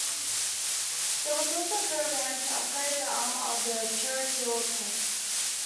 There was also a program to upgrade the armour of the Churchill tank.